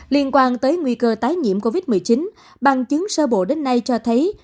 liên quan tới nguy cơ tái nhiễm covid một mươi chín bằng chứng sơ bộ đến nay cho thấy